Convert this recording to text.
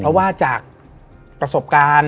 เพราะว่าจากประสบการณ์